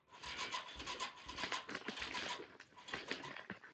Klubové barvy byly černá a žlutá.